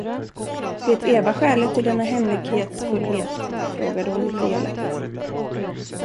Vet Eva skälet till denna hemlighetsfullhet? frågade hon litet elakt.